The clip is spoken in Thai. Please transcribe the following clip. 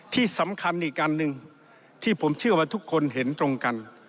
ที่สำคัญอีกอันหนึ่งที่ผมเชื่อว่าทุกคนเห็นตรงกัน